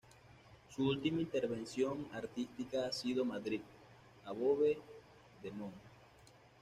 Su última intervención artística ha sido Madrid, above the Moon.